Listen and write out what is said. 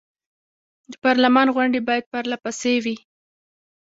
د پارلمان غونډې باید پر له پسې وي.